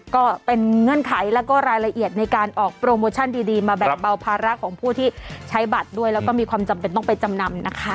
ก็เป็นเงื่อนไขแล้วก็รายละเอียดในการออกโปรโมชั่นดีมาแบ่งเบาภาระของผู้ที่ใช้บัตรด้วยแล้วก็มีความจำเป็นต้องไปจำนำนะคะ